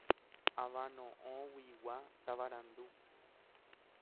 Avano'õguigua tavarandu.